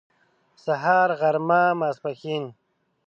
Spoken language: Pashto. سهار غرمه ماسپښين